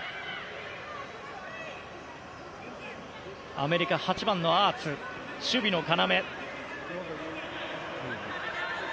アメリカ８番のアーツ守備の要。